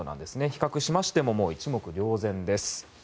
比較しましても一目瞭然です。